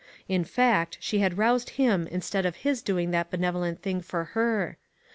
In fact, she had roused him instead of his doing that benevo lent thing for her.